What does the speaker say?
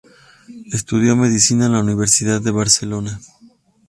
Estudió medicina en la Universidad de Barcelona.